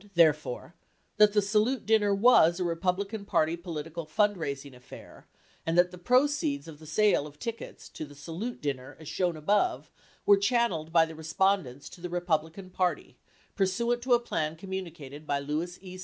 414 therefore, that the "Salute Dinner" was a Republican Party political fund raising affair, and that the proceeds of the sale of tickets to the "Salute Dinner," as shown above, were chan neled by the Respondents to the Republican Party pursuant to a plan communicated by Lewis E.